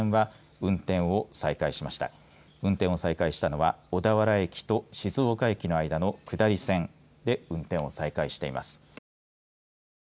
運転を再開したのは小田原駅と静岡駅の間の下り線で運転を再開しています。